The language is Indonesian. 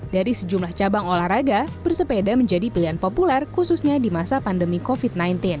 dari sejumlah cabang olahraga bersepeda menjadi pilihan populer khususnya di masa pandemi covid sembilan belas